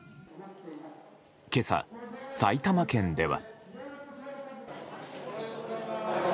今朝、埼玉県では。